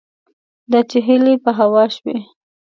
دا چې هیلې په هوا شوې